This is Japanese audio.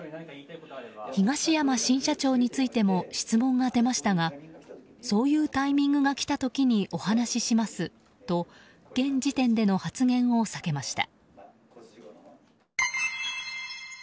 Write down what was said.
東山新社長についても質問が出ましたがそういうタイミングが来た時にお話しますと現時点での発言を避けました。